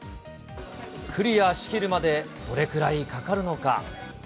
クリアしきるまで、どれくらいかかるのか。